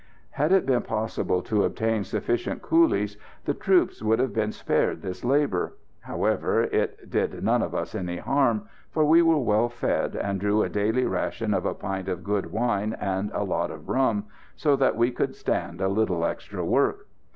Had it been possible to obtain sufficient coolies, the troops would have been spared this labour. However, it did none of us any harm, for we were well fed, and drew a daily ration of a pint of good wine and a lot of rum, so that we could stand a little extra work.